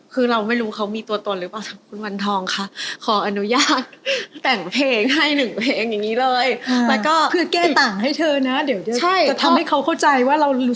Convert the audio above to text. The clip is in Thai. คือเราไม่รู้เขามีตัวตนหรือเปล่าคุณวันทองค่ะขออนุญาตแต่งเพลงให้หนึ่งเพลงอย่างนี้เลย